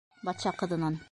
Батша ҡыҙынан: